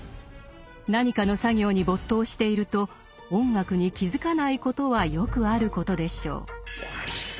何かの作業に没頭していると音楽に気付かないことはよくあることでしょう。